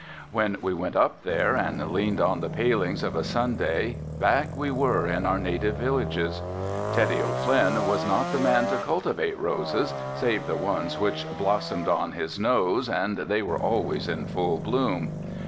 When we went up there and leaned on the palings of a Sunday, back we were in our native villages. Teddy O'Flynn was not the man to cultivate roses, save the ones which blossomed on his nose and they were always in full bloom.